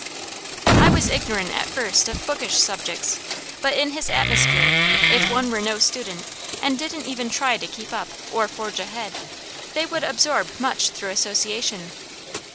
"I was ignorant at first of bookish subjects, but in his atmosphere, if one were no student, and didn't even try to keep up, or forge ahead, they would absorb much through association.